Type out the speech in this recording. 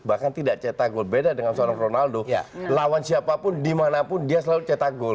bahkan tidak cetak gol beda dengan seorang ronaldo lawan siapapun dimanapun dia selalu cetak gol